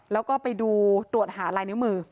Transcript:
แล้วก็ไปดูตรวจหาลายนิ้วมือ